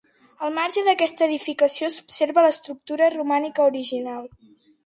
Al marge d'aquesta edificació s'observa l'estructura romànica original.